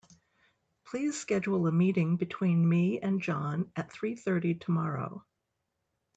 Please schedule a meeting between me and John at three thirty tomorrow.